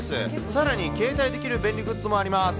さらに携帯できる便利グッズもあります。